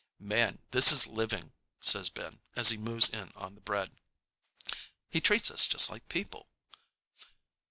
"Man, this is living!" says Ben as he moves in on the bread. "He treats us just like people."